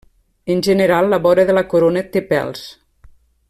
En general la vora de la corona té pèls.